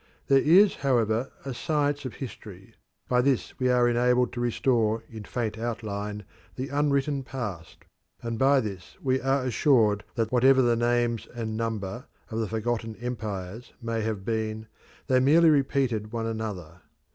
There is, however, a science of history; by this we are enabled to restore in faint outline the unwritten past, and by this we are assured that whatever the names and number of the forgotten empires may have been, they merely repeated one another.